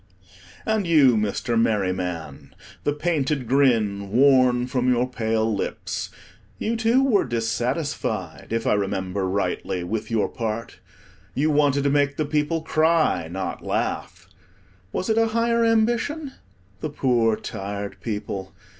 And you, Mr. Merryman, the painted grin worn from your pale lips, you too were dissatisfied, if I remember rightly, with your part. You wanted to make the people cry, not laugh. Was it a higher ambition? The poor tired people!